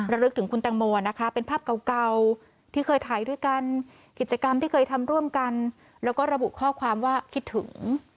ระลึกถึงคุณแตงโมนะคะเป็นภาพเก่าที่เคยถ่ายด้วยกันกิจกรรมที่เคยทำร่วมกันแล้วก็ระบุข้อความว่าคิดถึง